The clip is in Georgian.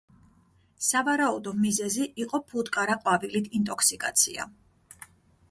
სავარაუდო მიზეზი იყო ფუტკარა ყვავილით ინტოქსიკაცია.